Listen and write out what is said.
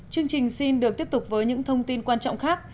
chương trình xin được tiếp tục với những thông tin quan trọng khác